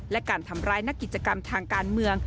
และการทำร้ายนักกิจกรรมทางการเมือง